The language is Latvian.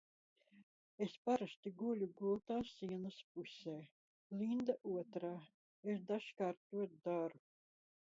Es parasti guļu gultā sienas pusē, Linda otrā. Es dažkārt to daru.